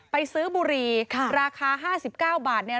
ไปซื้อบุหรี่ค่ะ